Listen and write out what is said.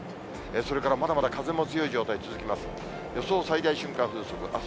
それからまだまだ風も強い状態続きます。